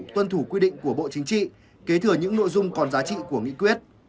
tuân thủ quy định của bộ chính trị kế thừa những nội dung còn giá trị của nghị quyết